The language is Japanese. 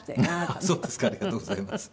ありがとうございます。